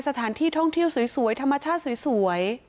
สถานที่ท่องเที่ยวสวยธรรมชาติสวย